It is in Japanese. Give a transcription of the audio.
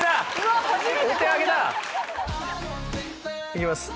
いきます